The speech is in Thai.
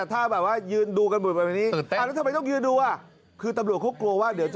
ถ้ายืนดูกันหมดแบบนี้ทำไมต้องยืนดู